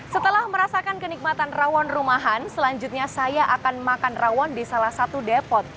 setelah merasakan kenikmatan rawon rumahan selanjutnya saya akan makan rawon di salah satu depot